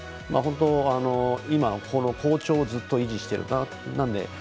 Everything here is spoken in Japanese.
本当、今、好調をずっと維持してるなと。